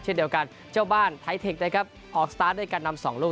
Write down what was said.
เช่นเดียวกันเจ้าบ้านไทเทคนะครับออกสตาร์ทด้วยการนำสองลูก